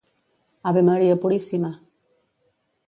Ave Maria Puríssima!